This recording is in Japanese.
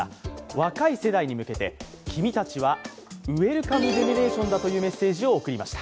若い世代に向けて、君たちはウエルカムジェネレーションだというメッセージを送りました。